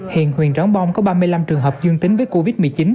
hiện huyện tráng bom có ba mươi năm trường hợp dương tính với covid một mươi chín